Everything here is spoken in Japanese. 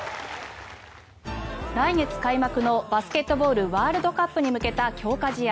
来月開幕のバスケットボールワールドカップに向けた強化試合。